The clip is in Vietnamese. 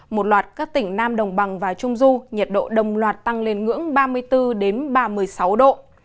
một loạt các tỉnh nam đồng bằng và trung du nhiệt độ đồng loạt tăng lên ngưỡng ba mươi bốn ba mươi sáu độ